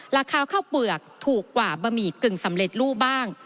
ราคาข้าวเปลือกถูกกว่าบะหมี่กึ่งสำเร็จรูปบ้าง